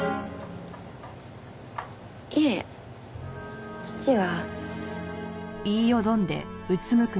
いえ父は。